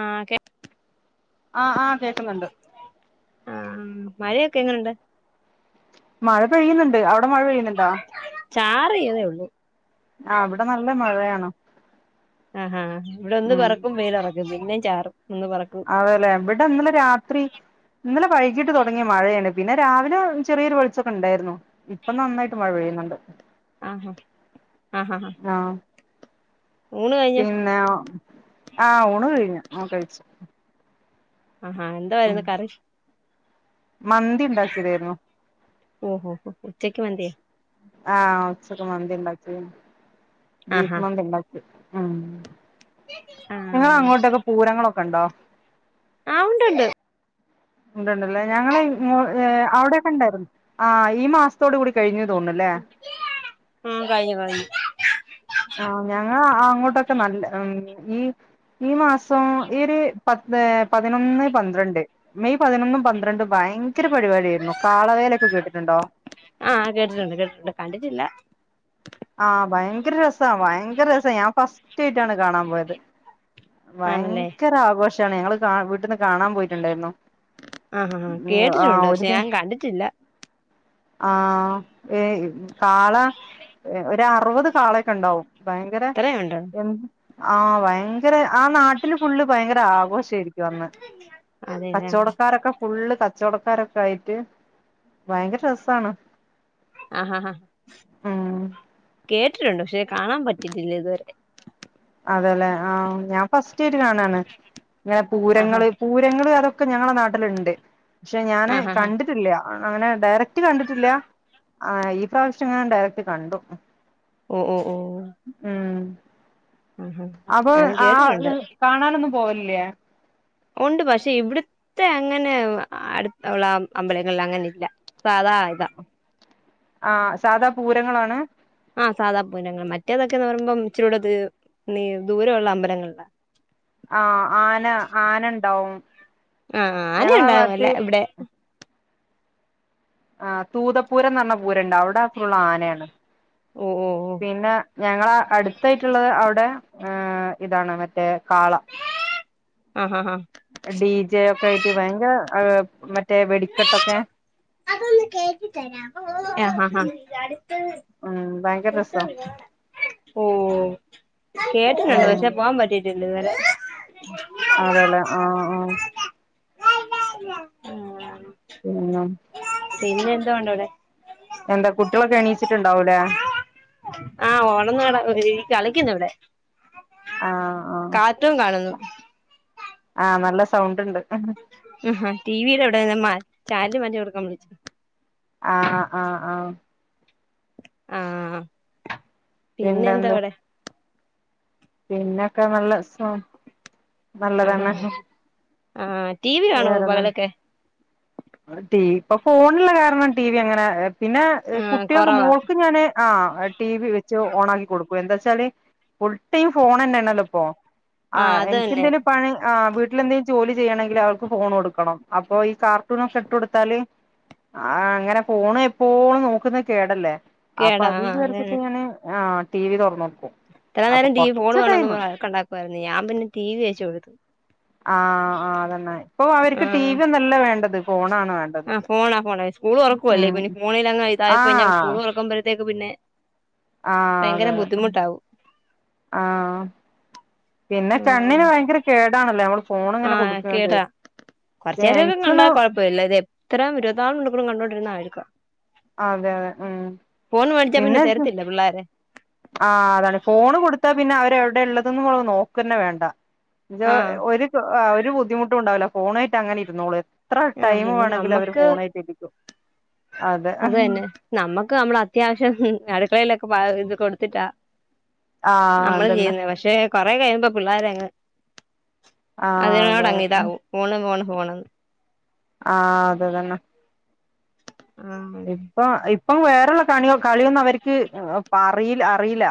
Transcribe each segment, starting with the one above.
ആഹ് കേ ആഹ് ആഹ് കേക്കുന്നുണ്ട് ആഹ് ഉം മഴയൊക്കെ എങ്ങനുണ്ട്? മഴ പെയ്യുന്നുണ്ട് അവിടെ മഴ പെയ്യുന്നുണ്ടോ ചാറിയതേള്ളൂ ആഹ് വടെ നല്ല മഴയാണ്? ആഹാ ഇവിടെ ഒന്ന് ഉം പറക്കും വെയിലറക്കും പിന്നേം ചാറും ഒന്ന് പറക്കും അതെല്ലെ വിടെ ഇന്നലെ രാത്രി ഇന്നലെ വൈകിട്ട് തുടങ്ങിയ മഴയാണ് പിന്നെ രാവിലെ ചെറിയൊരു വെളിച്ചൊക്കെ ഉണ്ടായിരുന്നു. ഇപ്പൊ നന്നായിട്ട് മഴ പെയ്യുന്നുണ്ട്. ആഹഹാ ആഹ് ഹാ ആ ആഹ് പിന്നെ ആഹ് ഊണ് കഴിഞ്ഞു ആഹ് കഴിച്ചു ആഹാ എന്താ വായിരുന്നു കറി മന്തിണ്ടാക്കിയതേരുന്നു. ഓഹോ ഹോ ഹോ ഉച്ചക്കി മന്തിയെ ആഹ് ഉച്ചക്ക് മന്തി ണ്ടാക്കി ആഹാ ബീഫ് മന്തി ണ്ടാക്കി ഉം ഉം ആഹ് നിങ്ങളങ്ങോട്ടൊക്കെ പൂരങ്ങളൊക്കെണ്ടോ ആഹ് ഒണ്ടൊണ്ട് ഉണ്ടണ്ടല്ലേ ഞങ്ങളെ ഇ ഇങ്ങോ അവിടൊക്കെ ണ്ടായിരുന്നു ആഹ് ഈ മാസ ത്തോടു കൂടി കഴിഞ്ഞു തോന്നുന്നല്ലേ ഉം കഴിഞ്ഞു കഴിഞ്ഞു ആം ഞങ്ങള അങ്ങോട്ടൊക്കെ നല്ല ഉം ഈ ഈ മാസം ഈ ഒര് പത്ത് പതിനൊന്ന് പന്ത്രണ്ട് മെയ് പതിനൊന്നും പന്ത്രണ്ടും ഭയങ്കര പരിപാടിയേര്ന്നു കാളവേലയൊക്കെ കേട്ടിട്ടുണ്ടോ ആഹ് കേട്ടിട്ടുണ്ട് കേട്ടിട്ടുണ്ട് കണ്ടിട്ടില്ല ആഹ് ഭയങ്കര രസാ ഭയങ്കര രസാ ഞാൻ ഫസ്റ്റ് ആയിട്ടാണ് കാണാൻ പോയത് ആണല്ലേ ഭയങ്കര ആഘോഷാണ് ഞങ്ങള് കാ വീട്ടന്ന് കാണാപോയിട്ടുണ്ടായിരുന്നു ആഹ് ആഹ് ഉം കേട്ടിട്ടുണ്ട് പക്ഷെ ആഹ് ഞാൻ [unintelligible] കണ്ടിട്ടില്ല ആഹ് ഏയ് കാള ഒരറുവത് കാളെയൊക്കെ ണ്ടാവും ഭയങ്കര ഇത്രയുണ്ടോ എന്ത ആഹ് വയ യങ്കര ആ നാട്ടില് ഫുള്ള് ഭയങ്കര ആഘോഷേയിരിക്കും അന്ന് അതെല്ലേ കച്ചോടക്കാരൊക്കെ ഫുള്ള് കച്ചോടക്കാരൊക്കായിട്ട് ഭയങ്കര രസാണ് ആഹ് ഹാ ഹാ ഉം കേട്ടിട്ടുണ്ട് പക്ഷെ കാണാൻ പറ്റിട്ടില്ല ഇതുവരെ അതെല്ലെ ആഹ് ഞാൻ ഫസ്റ്റായിട്ട് കാണാണ് ഇങ്ങനെ ആഹാ പൂരങ്ങള് പൂ രങ്ങള് അതൊക്കെ ഞങ്ങളെ നാട്ടില്ണ്ട് പക്ഷെ ഞാന് ആഹ് ആഹ് കണ്ടിട്ട് ട്ടില്ല്യ അങ്ങനെ ഡയറക്റ്റ് കണ്ടിട്ടില്ല ആഹ് ഈ പ്രാവശ്യം ഞാൻ ഡയറക്ട് കണ്ടു ഉം ഉം ഉം ഉം ഉം ഹും അപ്പൊ ആ തെ കാണാനൊന്നും പോവലില്ല്യേ ഒണ്ട് പക്ഷെ ഇവി ത്തെ അങ്ങനെ അടുത്തള്ള അം അമ്പലങ്ങളിൽ അങ്ങനില്ല സാധാ ഇതാ ആഹ് സാധാ പൂരങ്ങളാണ് ആഹ് സാധാ പൂരങ്ങൾ മറ്റേതൊക്കെന്ന് പറയുമ്പം ഇച്ച് രൂടെ ത് നീ ദൂരെയൊള്ള അമ്പലങ്ങളില ആഹ് ആന ആന ഉണ്ടാവും ആഹ് ഞങ്ങള ആ ഭാഗത്ത് ആനയൊണ്ടാരുന്നല്ലേ ഇവിടെ ആഹ് തൂതപൂരംന്ന് പർനാ പൂരണ്ട് അവ്ട ഫുള്ളാനെയാണ് ഉം ഉം ഉം പിന്നെ ഞങ്ങള അടുത്തായിട്ടുള്ളത് അവിടെ ഹ് ഇതാണ് മറ്റേ കാള ആ ഹാ ഹാ ഡി ജെ ഒക്കെ ആയിട്ട് ഭയങ്കര അതു മറ്റേ വെടിക്കെട്ടൊക്കെ ആഹ് ആഹ് ആഹ് ഉം ഭയങ്കര രസാ ഓഹ് കേട്ട്ട്ട്ണ്ട് ഉം പക്ഷേ പോവാപറ്റിട്ടില്ലത്വരെ അതെല്ലേ ആഹ് ആഹ് [inaudible] [unintelligible] പിന്നെ എന്തോഉണ്ടവടെ എന്താ കുട്ട്യളൊക്കെ എണീച്ചിട്ടുണ്ടാവൂലേ ആഹ് [unintelligible] കളിക്കുന്നിവിടെ ആഹ് ആഹ് കാണുന്നു ആഹ് നല്ല സൗണ്ട് ഇണ്ട് ടി വിടെ വടെ [unintelligible] ചാനല്മാറ്റികൊടുക്കാ വിളിച്ച ആഹ് ആഹ് ആഹ് ആഹ് പിന്നെ എന്താ പിന്നെന്ത് അവടെ? പിന്നൊക്കെ നല്ല [unintelligible] ആഹ് നല്ലതാണ്. ആഹ് ആഹ് ടി. വി കാണോ പകലൊക്കെ? ടി വി ഇപ്പൊ ഫോണ്ള്ള കാരണം ടി വി അങ്ങനെ പിന്നെ ആഹ് കുട്ടേൾക്ക് കൊറവാ മോൾക്ക് ഞാന്. ആഹ് ടി വി വെച്ച് ഓണാക്കി കൊടുക്കും എന്താച്ചാല് ഫുൾ ടൈം ഫോൺന്നെണല്ലോ ഇപ്പോ. ആഹ് അത് തന്നെ എനിക്കന്തേലും പണി ആഹ് വീട്ടിലെന്തെലും ജോലി ചെയ്യണെങ്കില് അവൾ ക്ക് ഫോണോടുക്കണം അപ്പൊ ഈ കാർട്ടൂണൊക്കെ ഇട്ടൊടുത്താല്. ആഹ് അങ്ങനെ ഫോൺ എപ്പോഴും നോക്കുന്നത് കേടല്ലേ. അപ്പൊ കേടാ അത് ആഹ് അതന്നെ വിചാരിച്ചിട്ട് ഞാന് ടി വി തൊറന്നൊട്ക്കും. ഇത്ര നേരം ടി വി ഫോണ് വാണന്ന് വഴക്കുണ്ടാക്കായിരുന്നു ഞാൻ പിന്നെ ടി വി വെച് കൊടുത്തു. ആഹ് ആഹ് അതന്നെ ഇപ്പൊ അവർക്ക് ടി ആഹ് വി ഒന്നല്ല വേണ്ടത് ഫോണാണ് വേണ്ടത്. ആഹ് ഫോണാ ഫോണ സ്കൂള് തൊറക്കോല്ലേ ഉം ഇനി ഫോണിൽങ്ങ ആ ഇതായപ്പോയി സ്കൂൾ തൊറക്കുമ്പഴത്തേക്ക് പിന്നെ. ആഹ് അതെ ഭയങ്കര അതെ. ബുദ്ധിമുട്ടാവും ആഹ് പിന്നെ ആഹ് കണ്ണിന് ഭയങ്കര കേടാണല്ലേ നമ്മള്. ഫോൺ ഇങ്ങനെ ആഹ് കേട കൊടുക്കുന്നത് പക്ഷെ കൊറചേരൊക്കെ കണ്ടാ എനിക്കൊന്നു കൊഴപ്പഇല്ല ഇത് എ ഇത്ര ഇരുവത്ത്നാല മണിക്കുറും കണ്ടോണ്ടിരുന്നയിരിക്കും. അതെ അതെ ഉം ഫോൺ മേടിച്ചാ പിന്നെ തരത്തില്ല പിള്ളേര്. ആഹ് അതാണ് ഫോണ് കൊടുത്താ പിന്നെ അവര് എവിടെള്ളതൊന് നോക്കന്നെ വേണ്ട രൊ ആഹ് ഒരു ആഹ ഒരു ബുദ്ധിമുട്ടും ഉണ്ടാവില്ല ഫോണേട്ട് അങ്ങനെ ഇര്ന്നോള്. എത്ര ആഹ് ടൈം പിന്നെ വേണങ്കിലും അവര് നമ്മക്ക് ഫോണേട്ട് ഇരിക്കും അതെ. അത് തന്നെ നമ്മക്ക് നമ്മള് അത്യാവശ്യം അടുക്കളലൊക്കെ പ ഇത് കൊടുത്തിട്ടാ. അമ്മള് അതന്നെ ചെയ്യുന്നേ പക്ഷെ കൊറെ കയ്യുമ്പോ പിള്ളേരങ്ങ്. ആഹ് അതെ അതിനോടങ് ഇതാവും ഫോണ് ഫോണ് ഫോണ്. ആഹ് അതതന്നെ. ആഹ് ഇപ്പ ഇപ്പം വേറള്ള കണി കളിയൊന്നും അവർക്ക് അറിയിൽ അറിയില്ല.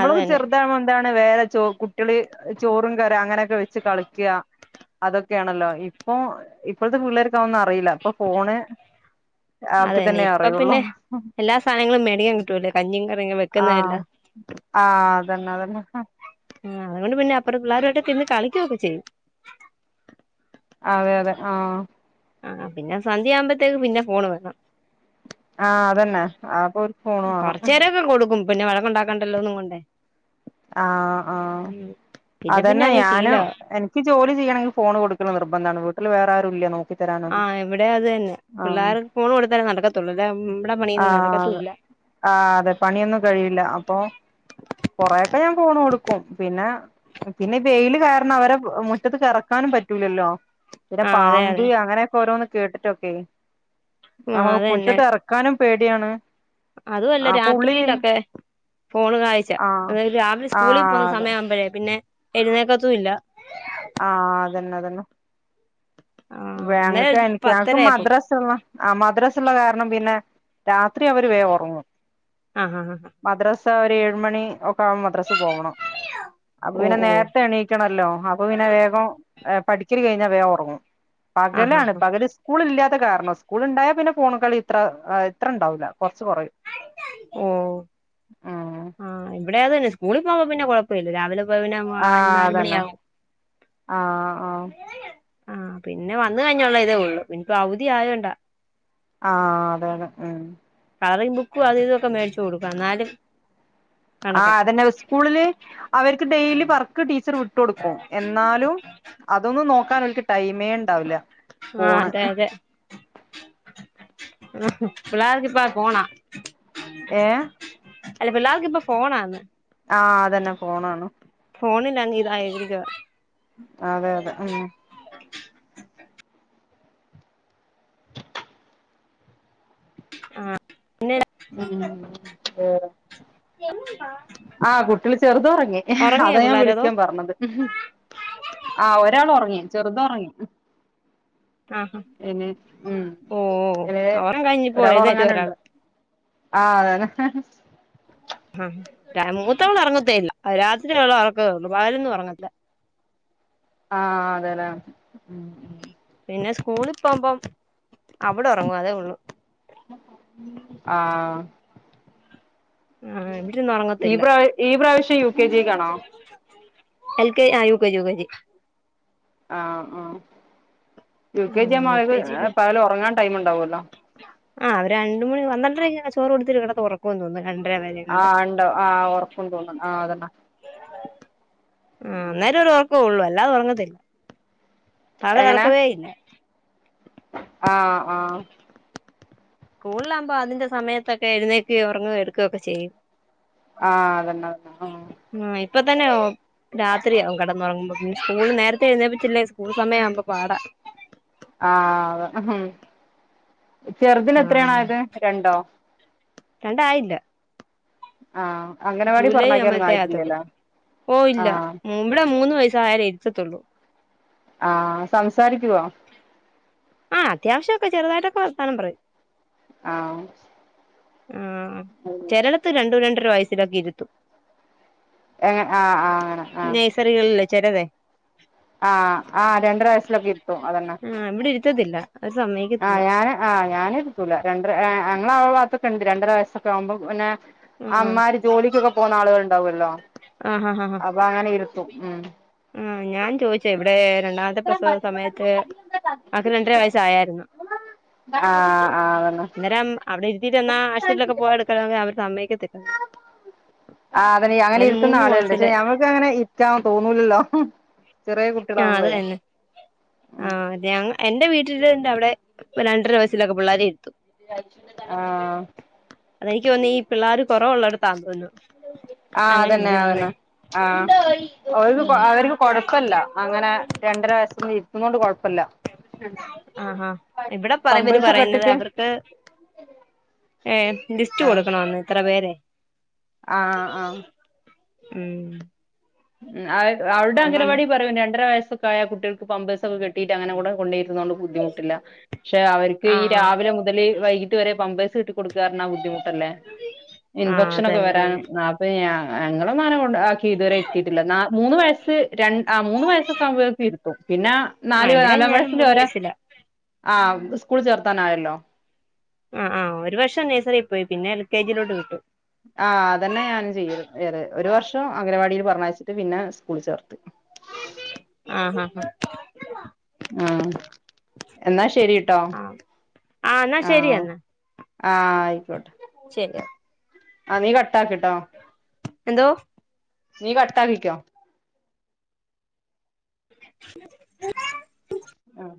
അത് തന്നെ ചെറുതാവുമ്പോ എന്താണ് വേറെ ചോ കുട്ട്യള് ചോറും കറിം അങ്ങനൊക്കെ വെച്ച് കളിക്. അതൊക്കെയാണല്ലോ ഇപ്പൊ ഇപ്പഴത്തെ പിള്ളേർക്ക അവന്നും അറിയില്ല ഇപ്പൊ ഫോണ്. ആക്കി അതന്നെ തന്നെ ഇപ്പ അറിയുള്ളൂ പിന്നെ എല്ലാ സാനങ്ങളും മേടികാൻ കിട്ടുവല്ലേ കഞ്ഞി കറിയൊക്ക ആഹ് വെക്കുന്നതല്ലാം. ആഹ് അതന്നെ അതന്നെ. ആഹ് അതുകൊണ്ട് പിന്നെ അപ്പറ പിള്ളേരുക്കായിട്ടിരുന്ന് കളിക്കൊക്കെ ചെയ്യും. അതെ അതെ ആഹ്. ആഹ് പിന്നെ സന്ധ്യ ആവുമ്പോത്തേക്ക് പിന്നെ ഫോണ് വേണം. ആഹ് അതന്നെ അപ്പൊ ഒരു ഫോണ് വാണം. കൊറച്ചേരൊക്കെ കൊടുക്കും. പിന്നെ വഴക്കുണ്ടാക്കണ്ടല്ലോന്നും കൊണ്ടേ. ആഹ് ആഹഹ് ഉം പിന്നെ പിന്നെ അതന്നെ അങ്ങ് ഞാനും ശീലവാ എനി ഇക്ക് ജോലി ചെയ്യണെങ്കിൽ ഫോണ് കൊടുക്കല് നിർബന്ധാണ് വീട്ടില് വേറാരുല്ല നോ ആഹ് ഇവിടെ അത് തന്നെ പിള്ളേർ ഫോണ് കൊടുത്താലേ നടക്കത്തുള്ളൂ അല്ല ഇമ്മടെ പണിയൊന്നും ആഹ് നടക്കത്തുല്ല. ആഹ് അതെ പണിയൊന്നും കഴിയില്ല അപ്പൊ കൊറേ അപ്പൊ ഞാൻ ഫോൺ കൊടുക്കും പിന്നെ പിന്നെ ഈ വെയില് കാരണം അവരെ മുറ്റത്ത്കെറക്കാനും പറ്റൂലല്ലോ പിന്നെ ആഹ് അതെ പാമ്പ് അതെ അങ്ങനെയൊക്കെ ഓരോന്ന് കേട്ടിട്ടൊക്കെ ആഹ് നമ്മള് അത് മുറ്റത്തെറ ക്കാനും പേടിയാണ്. അതുമല്ല അപ്പൊ ഉള്ളിലിരുന്ന് രാത്രിയിലൊക്കെ ഫോണ് കാഴ്ച ആഹ് അതായത് രാവിലെ സ്കൂളിൽ ആഹ് പോകുന്ന അത സമയാ പിന്നെ എഴുന്നേക്കത്തും ഇല്ല ആഹ് അതന്നെ അതന്നെ ആഹ് ഇന്നലെ ഞങ്ങക്ക് എനിക്ക് ഞങ്ങക്ക് പത്തരയായപ്പം മദ്രസുള്ള ആഹ് മദ്രാസുള്ള കാരണം പിന്നെ രാത്രി അവര് വേം ഒറങ്ങും ആഹ് ആഹ് ആഹ് മദ്രസ് ത് ഒരു ഏഴ് മണി ഒക്കെ ആകുമ്പോ മദ്രസ് പോവണം അപ്പൊ ഓഹ് പിന്നെ ഓഹ് നേരത്തെണീ ക്കണല്ലോ അപ്പൊ പിന്നെ വേഗം പഠിക്കൽ കഴിഞ്ഞാൽ വേഗം ഉറങ്ങും ആഹ് ആഹ് പകലാണ് ആഹ് പകല് സ്കൂളില്ലാത്ത കാരണം സ്കൂൾ ഉണ്ടായാൽ പിന്നെ ഫോണി കളി ഇത്ര ഇത്രണ്ടാവൂല കൊറച്ച് കൊറയും ഓഹ് ആഹ് ഇവിടെ അതന്നെ സ്കൂളി പോകുമ്പൊ പിന്നെ കൊഴപ്പഇല്ല രാവിലെ പ്പൊ പിന്നെ ആഹ് നാല് അതന്നെ മണിയാകും. ആഹ് ആഹ് ആഹ് പിന്നെ വന്ന് കഴിഞ്ഞുള്ള ഇതേ ഉള്ളൂ ഇപ്പൊ അവധി ആയോ ണ്ടാ ആഹ് അതെ തെ ഉം കളറിംഗ് ബുക്കും അത് ഇതൊക്കെ മേടിച്ച് കൊടുക്കും എന്നാലും കണക്കാ ആഹ് അതന്നെ സ്കൂളില് അവർക്ക് ഡെയിലി വർക്ക് ടീച്ചർ വിട്ട് കൊടുക്കും എന്നാലും അതൊന്നും നോക്കാനോൽക്ക് ടൈമേ ണ്ടാവില്ല. ആഹ് അതെ അതെ പിള്ളേർക്കിപ്പൊ ഫോണ ഏഹ് അല്ല പിള്ളേർക്ക് ഇപ്പൊ ഫോണാ ന്ന്. ആഹ് അതന്നെ ഫോണാണ്. ഫോണിലങ്‌ ഇതായിരിക്കുവാ അതെ അതെ ഉം ആഹ് പിന്നെ ഉം ഉം ഉം എന്താ ആഹ് കുട്ട്യാള് ചെറുത് ഒറങ്ങി അതാ ഞാൻ പിള്ളേരതോ വിളിക്കാൻ പറഞ്ഞത്. ഉം ആഹഹ് ഒരാൾ ഒറങ്ങി ചെറുത് ഒറങ്ങി ആഹ് ഇനി ഉം ഓഹ് ഇവടെ ഒറക്കം കഴിഞ്ഞിപ്പോ ഒരാൾ എഴുന്നേറ്റു ഒറങ്ങാനുണ്ട്. ഒരാള് ആഹ് അതന്നെ ആഹ് മൂത്തോള് ഒറങ്ങത്തേയില്ല രാത്രിയവള് ഒറക്കേ ഉള്ളൂ പകലൊന്നും ഒറങ്ങത്തില്ല - ആഹ് അതെല്ലേ പിന്നെ സ്കൂളിൽ പോകുമ്പം അവടെ ഒറങ്ങും അതേയുള്ളു. ആഹ് ആഹ് ഇവിടിരുന്ന് ഈ ഒറങ്ങത്തില്ല പ്രാവ ഈ പ്രാവശ്യം യു കെ ജിക്കാണോ? എൽ കെ ആഹ് U K G U K G ആഹ് ആഹ് യു കെ ജി ആഹ് ആകുമ്പോ യു അവർക്ക് കെ ജി പകല് ഒറങ്ങാൻ ടൈമുണ്ടാവോല്ലൊ ആഹ് രണ്ട് മണി പന്ത്രണ്ടരയ്ക്കെ ആയ ചോറ് കൊടുത്തിട്ട് കെടത്തി ഒറക്കോന്ന് തോന്നുന്നു രണ്ട് ആഹ് ഉണ്ടൊ ആഹ് ഒറക്കോന്ന് തോന്നുന്നു ആഹ് അതെന്നെ ആഹ് ഉം അന്നേരം ഒരു ഉറക്കേ ഉള്ളൂ അല്ലാതെ ഉറങ്ങത്തില്ല പകലൊറക്കവേ ഇല്ല ആഹ് ആഹ് സ്കൂളിലാകുമ്പോ അതിന്റെ സമയത്തൊക്കെ എഴുന്നേക്കയും ഉറങ്ങയും എടുക്കൊക്കെ ചെയ്യും. ആഹ അതന്ന തന്നെ ആ ആ ഇപ്പൊ ത്തന്നെ രാത്രിയാവും കെടന്നുറങ്ങുമ്പൊ പിന്ന സ്കൂൾ നേരത്തെ എഴുന്നേപ്പിച്ചില്ലേ സ്കൂൾ സമയമാവുമ്പൊ പാട ആ ചെറുതിന് ആഹ് എത്രയാണായത് രണ്ടൊ രണ്ടായില്ല ആഹ അംഗണവാടി ജൂലൈ പറഞ്ഞയ ക്കാ യാനൊന്നും ആവുമ്പഴത്തേ ആയിട്ടില്ലല്ല ആഹ ഉം ഇവടെ മൂന്ന് വയസ്സായാലേ ഇരുത്തത്തുള്ളൂ. ആഹ സംസാരിക്കുവൊ ആ അത്യാവശ്യക്കെ ചെറുതായിട്ടൊക്കെ വർത്താനം പറയും ആഹ് ആ ചെലടത്ത് രണ്ടു രണ്ടര വയസ്സിലൊക്കെ ഇരുത്തും എങ്ങ ആ ആ അങ്ങനെ ആ നഴ്സറികളിലെ ചെലതെ ആഹ് ആഹ രണ്ടര വയസ്സിലക്കെ ഇരുത്തും അതന്ന ഇത്തത്തില്ല ആഹ് ഞാൻ ആ ഞാന എടുക്കൂല രണ്ട് ഞങ്ങളെ ആ ഭാത്ത് രണ്ടര വയസ്സൊക്കെ ആകുമ്പോ പിന്നെ ആഹ് അമാര് ജോലിക്കൊക്കെ പോകുന്ന ആളുകള ഉണ്ടാവല്ലോ ആഹ് അപ്പൊ അങ്ങനെ ഇരുത്തും ഉം ഉം ഞാൻ ചോയിച് എവടെ രണ്ടാമത്തെ പ്രസവ സമയത്ത് ആക്ക് രണ്ടര വയസ്സായായിരുന്നു ആ ആ അതന്നെ അന്നേരം അവിടെ ഇരുത്തിയിട്ട് എന്നാ ആശുപത്രിയിലൊക്കെ പോവാള് അവര് സമ്മയിക്കത്തില്ല ആ അതെ അങ്ങനെ ഇരുത്തുന്ന മൂന്ന് ആളുകളണ്ട് പക്ഷെ മാസത്തിലെ ഞമ്മക്ക് അങ്ങനെ ഇരിക്കാന്ന് തോന്നൂലല്ലോ ആഹ് അത് കുട്ടികളാമ്പേയെ. തന്നെ ആഹ് എന്റെ വീട്ടന്റെ അവിടെ രണ്ടര വയസൊക്കെ പിള്ളേരിരുത്തു. ആഹ്‌. എനിക്ക് തോന്നീ പിള്ളേർ കുറവുള്ളോട്ത്താ തോന്നു. ആഹ അതന്നെ അതന്നെ ആ ഉം അവർക്ക് കൊട് കല്ല അങ്ങനെ രണ്ടര വയസൊന്നും ഇത്തുന്ന കൊണ്ട് കൊയപ്പല്ല. ആഹാ ഇവിടെ പറ പമ്പേഴ്സൊക്കെ പറയുന്നത് ഇട്ടിട്ട് അവർക്ക് ഏ ലിസ്റ്റ് കൊടുക്കണന്ന് ഇത്ര പേരെ ആഹ്‌ ആഹ്‌. ഉം ഉ അവരുടെ അതുകൊണ്ട് അംഗരവാടി പറയും രണ്ടര വയസ്സ സായ കുട്ടികൾക്ക് പമ്പേസൊക്ക കെട്ടിയിട്ട് അങ്ങെ കൂടെ കൊണ്ടേരുന്നുകൊണ്ട് ബുദ്ധിമുട്ടില്ല പക്ഷ അവർ. ഈ ആഹ് രാവിലെ മുതൽ വൈകിട്ട് വരെ പമ്പേഴ്സ് ഇട്ട് കൊടുക്കാർഞ്ഞ ബുദ്ധിമു ട്ടല്ലേ ഇൻ ആഹ് ഭക്ഷണം ഒക്കെ അതന്നെ വരാൻ അതന്നെ അപ്പൊ ഞാ ഒന്നും അങ്ങനെ ആക്കി ഇതുവരെ തിട്ടില്ല മൂന്ന് വയസ്സ് രണ്ട് ആ മൂന്ന് വയസൊക്കെ ആകുമ്പോഴേക്കും തിരുത്തും പിന്നെ നാല് ആഹ് ഇവിടെ നാലാം ഞാന് വയസിൽ മൂന്ന് വരെ വയസ്സില ആ സ്കൂൾ ചേർത്താനായല്ലോ ആ ആ ഒരു വർഷം നേഴ്സറിയിൽ പോയി പിന്നെ എൽ കെ ജിയിലോട്ട് വിട്ടു. ആ അതന്നെ ഞാനും ചെയ്യതു വേറെ ഒരു വർഷം അംഗനവാടിൽ പറഞ്ഞയച്ചിട്ട് പിന്നെ സ്കൂളിൽ ചേർത്ത് ആഹ ആഹ് ആഹ ഉം എന്നാ ശരിയട്ടോ ആഹ് ആഹ് എന്നാ ശരി ആഹ്‌. എന്നാ ആ ആയിക്കോട്ടെ ശരി ആ നീ കട്ടാക്ക്ട്ടോ എന്തോ നീ കട്ടാക്കിക്കോ [inaudible] ആഹ്